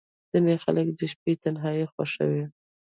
• ځینې خلک د شپې تنهايي خوښوي.